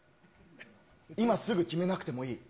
今すぐ決めなくてもいい。